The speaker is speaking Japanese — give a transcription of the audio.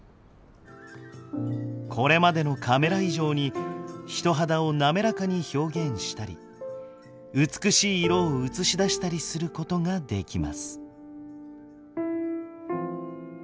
これまでのカメラ以上に人肌を滑らかに表現したり美しい色を映し出したりすることができます。